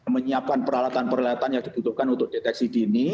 menyiapkan peralatan peralatan yang dibutuhkan untuk deteksi dini